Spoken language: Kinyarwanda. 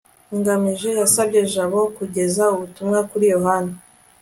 ngamije yasabye jabo kugeza ubutumwa kuri yohana